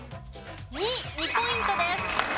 ２。２ポイントです。